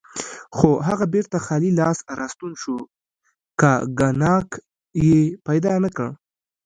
خو هغه بیرته خالي لاس راستون شو، کاګناک یې پیدا نه کړ.